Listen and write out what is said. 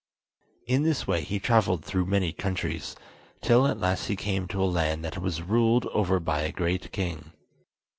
In this way he travelled through many countries, till at last he came to a land that was ruled over by a great king.